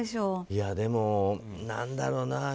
でも、何だろうな。